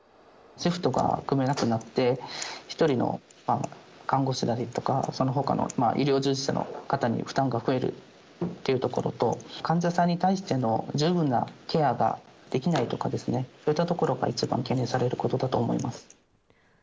シフトが組めなくなって、１人の看護師なりとか、そのほかの医療従事者の方に負担が増えるというところと、患者さんに対しての十分なケアができないとかですね、そういったところが一番懸念されるところだと思います。